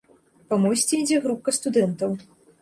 Па мосце ідзе групка студэнтаў.